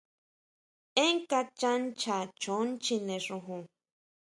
Énn kachan nchá choon chjine xojon.